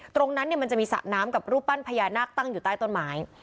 มันจะมีสระน้ำกับรูปปั้นพญานาคตั้งอยู่ใต้ต้นไม้